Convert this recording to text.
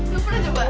lo pernah coba